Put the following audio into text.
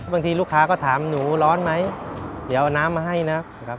บางทีลูกค้าก็ถามหนูร้อนไหมเดี๋ยวเอาน้ำมาให้นะครับ